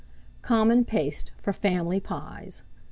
COMMON PASTE, for Family Pies.